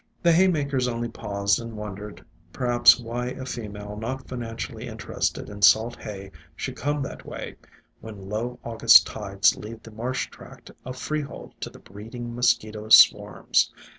The haymakers only paused and wondered per IN SILENT WOODS 121 haps why a female not financially interested in salt hay should come that way, when low August tides leave the marsh tract a freehold to the breeding mosquito swarms.